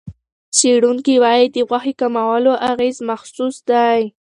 څېړونکي وايي، د غوښې کمولو اغېز محسوس دی.